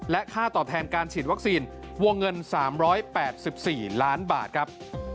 ค่าตอบแทนการฉีดวัคซีนวงเงิน๓๘๔ล้านบาทครับ